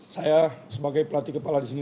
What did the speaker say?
saya sebagai pelatih kepala disini